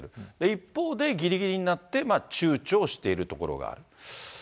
一方で、ぎりぎりになってちゅうちょをしているところがある。